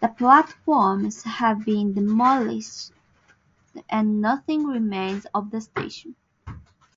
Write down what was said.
The platforms have been demolished and nothing remains of the station.